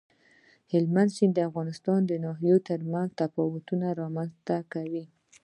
هلمند سیند د افغانستان د ناحیو ترمنځ تفاوتونه رامنځ ته کوي.